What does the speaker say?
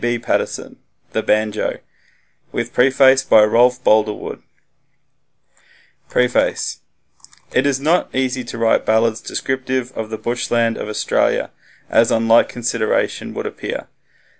B. Paterson ("The Banjo") with preface by Rolf Boldrewood Preface It is not so easy to write ballads descriptive of the bushland of Australia as on light consideration would appear.